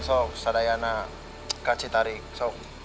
so sadayana ke citarik